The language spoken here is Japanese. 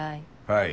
はい。